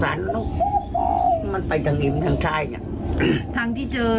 อู้อมันไปนี่แหลงทายนาง